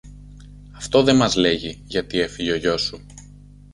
Αυτό δε μας λέγει γιατί έφυγε ο γιος σου